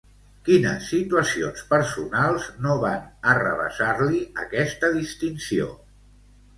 Quines situacions personals no van arrabassar-li aquesta distinció?